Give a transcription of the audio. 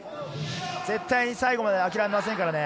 絶対に最後まであきらめませんからね。